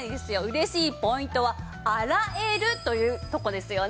嬉しいポイントは洗えるというとこですよね！